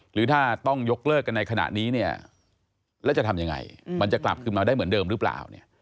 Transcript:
หรือถ้าต้องยกเลิกกันในขณะนี้เนี่ยแล้วจะทำยังไงมันจะกลับขึ้นมาได้เหมือนเดิมหรือเปล่าเนี่ย